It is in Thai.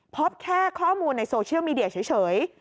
พบแค่ข้อมูลในโซเชียลมีเดียเฉย